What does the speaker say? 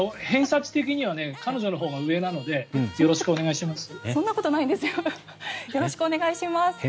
偏差値的には彼女のほうが上なのでよろしくお願いします。